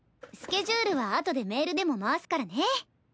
スケジュールはあとでメールでも回すからね。